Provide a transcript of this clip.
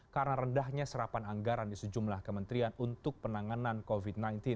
karena rendahnya serapan anggaran di sejumlah kementerian untuk penanganan covid sembilan belas